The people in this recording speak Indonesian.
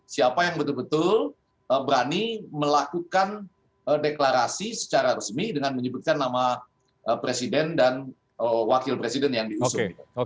siapa yang betul betul berani melakukan deklarasi secara resmi dengan menyebutkan nama presiden dan wakil presiden yang diusung